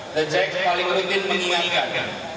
the jack paling mungkin mengingatkan